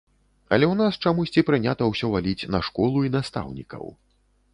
Але ў нас чамусьці прынята ўсё валіць на школу і настаўнікаў.